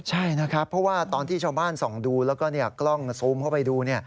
ใช่นะครับเพราะว่าตอนที่ชาวบ้านส่องดูแล้วก็กล้องซูมเข้าไปดู